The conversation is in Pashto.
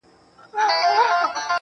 ستا بې روخۍ ته به شعرونه ليکم.